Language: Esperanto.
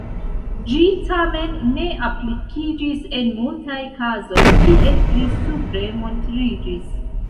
Ĝi tamen ne aplikiĝis en multaj kazoj, kiel pli supre montriĝis.